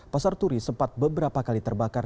pasar turi sempat beberapa kali terbakar